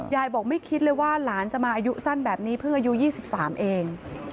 ยายบอกไม่คิดเลยว่าหลานจะมาอายุสั้นแบบนี้เพิ่งอายุ๒๓เอง